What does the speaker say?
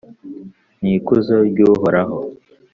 n’ikuzo ry’Uhoraho